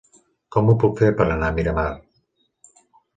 Com ho puc fer per anar a Miramar?